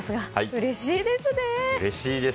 うれしいですね。